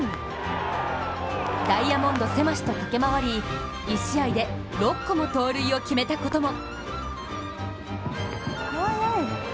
ダイヤモンド狭しと駆け回り、１試合で６個も盗塁を決めたことも。